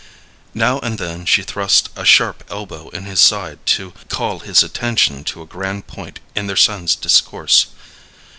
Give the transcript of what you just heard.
Now and then she thrust a sharp elbow in his side to call his attention to a grand point in their son's discourse.